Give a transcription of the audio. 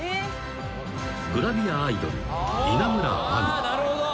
［グラビアアイドル稲村亜美］